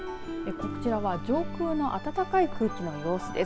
こちらは上空の暖かい空気の様子です。